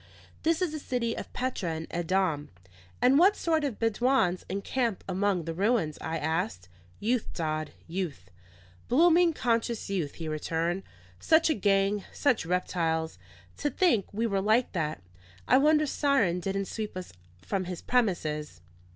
"This is the city of Petra in Edom." "And what sort of Bedouins encamp among the ruins?" I asked. "Youth, Dodd, youth; blooming, conscious youth," he returned. "Such a gang, such reptiles! to think we were like that! I wonder Siron didn't sweep us from his premises."